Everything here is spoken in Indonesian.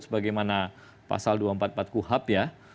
sebagaimana pasal dua ratus empat puluh empat kuhap ya